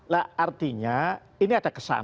nah artinya ini ada keadaan